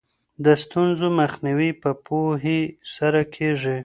د ستونزو مخنیوی په پوهې سره کیږي.